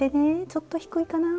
ちょっと低いかな？